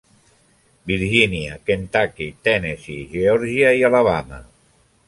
Virgínia, Kentucky, Tennessee, Geòrgia i Alabama.